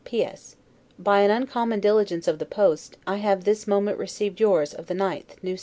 P. S. By an uncommon diligence of the post, I have this moment received yours of the 9th, N. S.